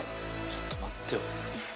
ちょっと待ってよ。